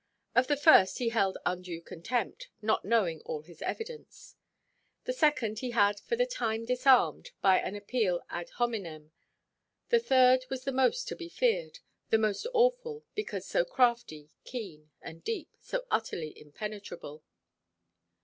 Of the first he held undue contempt (not knowing all his evidence); the second he had for the time disarmed, by an appeal ad hominem; the third was the most to be feared, the most awful, because so crafty, keen, and deep, so utterly impenetrable.